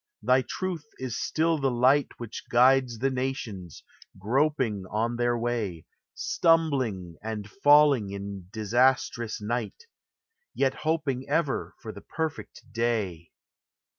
thy truth is still the Light Which guides the nations, groping on their way, Stumbling and falling in disastrous night, Yet hoping ever for the perfect day.